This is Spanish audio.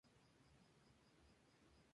Noble y religioso español.